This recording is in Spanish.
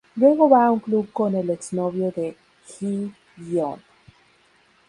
Luego va a un club con el ex-novio de Ji-hyeon.